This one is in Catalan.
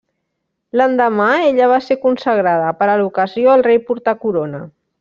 L'endemà ella va ser consagrada; per a l'ocasió el rei portà corona.